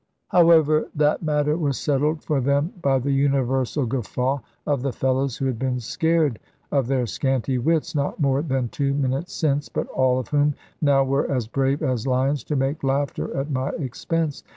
However, that matter was settled for them by the universal guffaw of the fellows who had been scared of their scanty wits not more than two minutes since, but all of whom now were as brave as lions to make laughter at my expense.